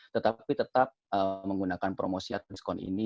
tetapi tetap menggunakan promosi atau diskon ini